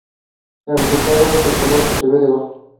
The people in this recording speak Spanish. El resultado es el color que se ve debajo.